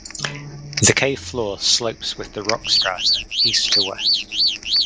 The cave floor slopes with the rock strata east to west.